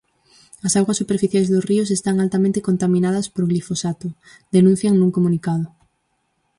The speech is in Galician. "As augas superficiais dos ríos están altamente contaminadas por glifosato", denuncian nun comunicado.